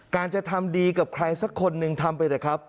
จะทำดีกับใครสักคนหนึ่งทำไปเถอะครับ